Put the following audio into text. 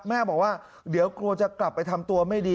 แม่บอกว่าเดี๋ยวกลัวจะกลับไปทำตัวไม่ดี